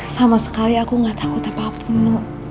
sama sekali aku gak takut apa apun